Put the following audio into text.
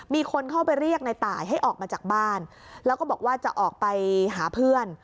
มีคนเข้าไปเรียกในตายให้ออกมาจากบ้านแล้วก็บอกว่าจะออกไปหาเพื่อน